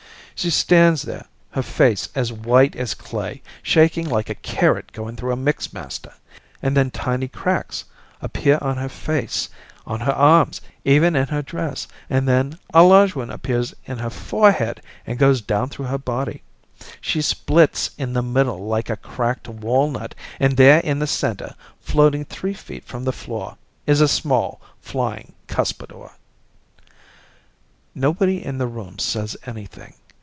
She stands there, her face as white as clay, shaking like a carrot going through a mixmaster. And then tiny cracks appear on her face, on her arms, even in her dress, and then a large one appears in her forehead and goes down through her body. She splits in the middle like a cracked walnut, and there in the center, floating three feet from the floor is a small flying cuspidor. Nobody in the room says anything.